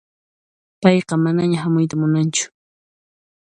Payqa manaña hamuyta munanchu.